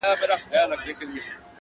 پېړۍ و سوه جګړه د تورو سپینو د روانه-